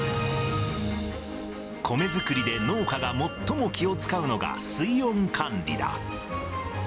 米作りで農家が最も気を使うのが、水温管理だ。